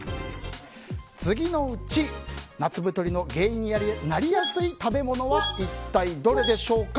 次のうち、夏太りの原因になりやすい食べ物は一体どれでしょうか。